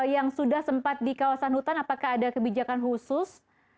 yang sudah sempat di kawasan hutan apakah ada kebijakan khusus